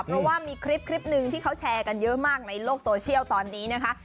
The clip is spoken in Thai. เพราะว่ามีคลิปหนึ่งที่เขาแชร์กันเยอะมากในโลกโซเชียลตอนนี้นะคะ